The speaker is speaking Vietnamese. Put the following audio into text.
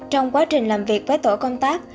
trong quá trình làm việc với tổ công tác